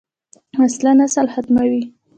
وسله نسل ختموي